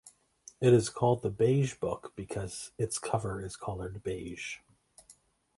It is called the "Beige Book" because its cover is colored beige.